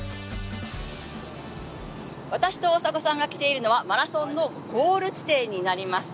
私と大迫さんが来ているのはマラソンのゴール地点になります。